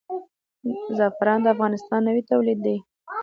زعفران د افغانستان نوی تولید دی.